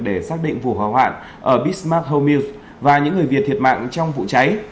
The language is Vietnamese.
để xác định vụ hỏa hoạn ở bismarck house mills và những người việt thiệt mạng trong vụ cháy